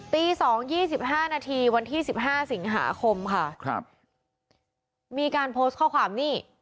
ปี๒๒๕นาทีวันที่๑๕สิงหาคมค่ะมีการโพสต์ข้อความนี้